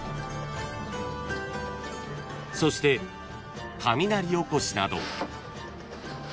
［そして雷おこしなど］